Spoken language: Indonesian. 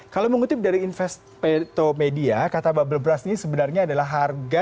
kalau mengutip dari investor media kata bubble brush ini sebenarnya adalah harga